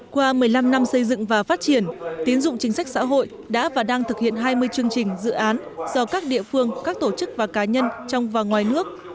qua một mươi năm năm xây dựng và phát triển tín dụng chính sách xã hội đã và đang thực hiện hai mươi chương trình dự án do các địa phương các tổ chức và cá nhân trong và ngoài nước